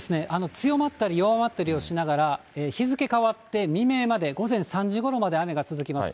強まったり、弱まったりをしながら、日付変わって未明まで、午前３時ごろまで雨が続きます。